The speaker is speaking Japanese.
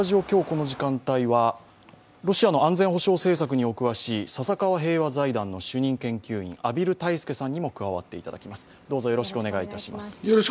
ロシアの安全保障政策にお詳しい笹川平和財団の主任研究員、畔蒜泰助さんにも加わっていただきます。